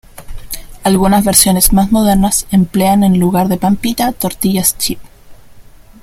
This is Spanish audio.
Algunas versiones más modernas emplean en lugar de pan pita tortillas chip.